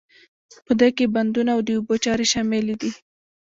په دې کې بندونه او د اوبو چارې شاملې دي.